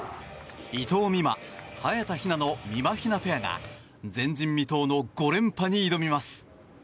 伊藤美誠、早田ひなのみまひなペアが前人未到の５連覇に挑みます。